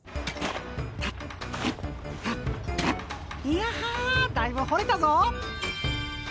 いやはだいぶほれたぞ。